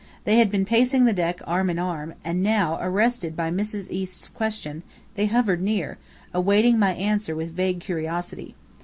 They had been pacing the deck, arm in arm; and now, arrested by Mrs. East's question, they hovered near, awaiting my answer with vague curiosity.